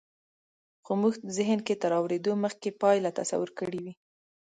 خو مونږ زهن کې تر اورېدو مخکې پایله تصور کړې وي